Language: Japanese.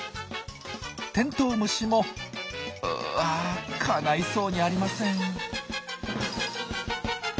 テントウムシもうわかないそうにありません。